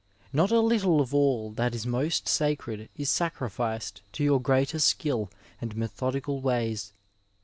Not a little of all that is most sacred is sacrificed to your greater skill and methodical ways.